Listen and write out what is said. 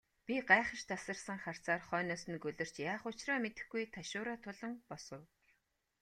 Би гайхаш тасарсан харцаар хойноос нь гөлөрч, яах учраа мэдэхгүй ташуураа тулан босов.